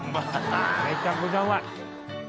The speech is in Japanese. めちゃくちゃうまい！